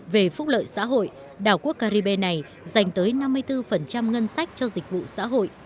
về phúc lợi xã hội đảo quốc caribe này dành tới năm mươi bốn ngân sách cho dịch vụ xã hội